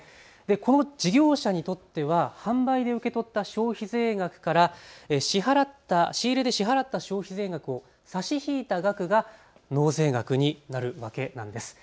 この事業者にとっては販売で受け取った消費税額から仕入れで支払った消費税額を差し引いた額が納税額になるわけなんです。